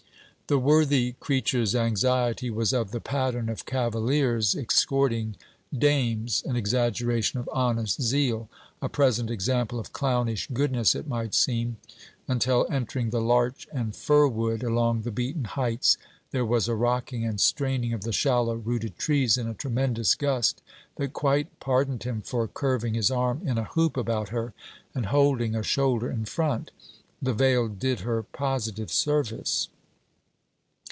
The worthy creature's anxiety was of the pattern of cavaliers escorting dames an exaggeration of honest zeal; a present example of clownish goodness, it might seem; until entering the larch and firwood along the beaten heights, there was a rocking and straining of the shallow rooted trees in a tremendous gust that quite pardoned him for curving his arm in a hoop about her and holding a shoulder in front. The veil did her positive service.